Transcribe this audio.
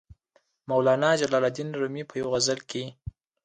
د مولانا جلال الدین رومي په یوې غزل کې.